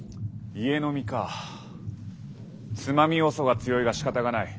家呑みかつまみ要素が強いがしかたがない。